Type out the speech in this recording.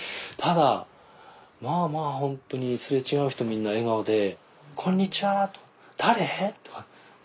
ただまあまあ本当にすれ違う人みんな笑顔で「こんにちは」とか「誰？」とか「どこから来たの？」